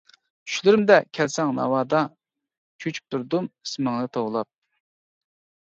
چۈشلىرىمدە كەلسەڭ ناۋادا، چۆچۈپ تۇردۇم ئىسمىڭنى توۋلاپ.